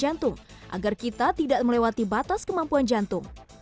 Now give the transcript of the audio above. jantung agar kita tidak melewati batas kemampuan jantung